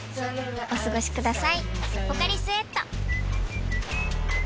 お過ごしください